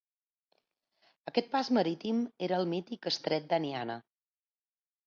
Aquest pas marítim era el mític Estret d'Aniana.